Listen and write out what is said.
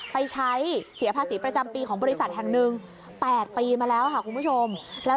ไปใช้เสียภาษีประจำปีของบริษัททางนึงแปดปีมาแล้วค่ะคุณผู้ชม